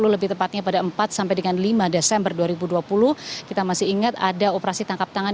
lebih tepatnya pada empat sampai dengan lima desember dua ribu dua puluh kita masih ingat ada operasi tangkap tangan